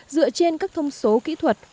dựa trên các thông số kỹ thuật